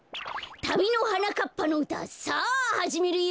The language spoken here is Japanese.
たびのはなかっぱのうたさあはじめるよ！